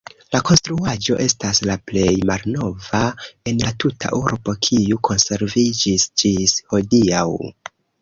La konstruaĵo estas la plej malnova en la tuta urbo, kiu konserviĝis ĝis hodiaŭ.